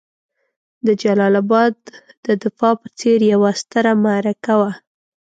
د جلال اباد د دفاع په څېر یوه ستره معرکه وه.